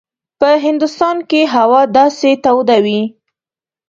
په هندوستان کې هوا داسې توده وي.